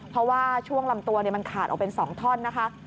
เพราะว่าช่วงลำตัวมันขาดออกเป็น๒ท่อนนะคะ